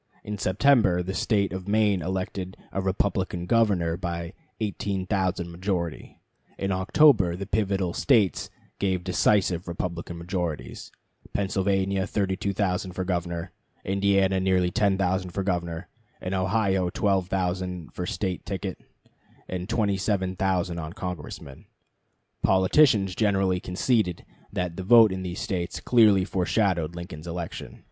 In September the State of Maine elected a Republican governor by 18,000 majority. In October the pivotal States gave decisive Republican majorities: Pennsylvania 32,000 for governor, Indiana nearly 10,000 for governor, and Ohio 12,000 for State ticket and 27,000 on Congressmen. Politicians generally conceded that the vote in these States clearly foreshadowed Lincoln's election.